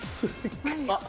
あっ。